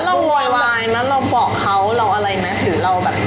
มั่นเราวอยวายแล้วเราบอกเขาเราอะไรไหมหรือเราแบบ